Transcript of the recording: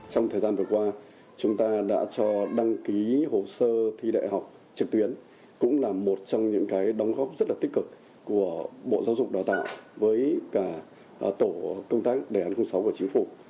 trong thời gian vừa qua chúng ta đã cho đăng ký hồ sơ thi đại học trực tuyến cũng là một trong những cái đóng góp rất là tích cực của bộ giáo dục đào tạo với cả tổ công tác đề án sáu của chính phủ